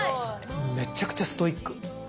めちゃくちゃストイック。